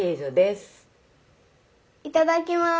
いただきます。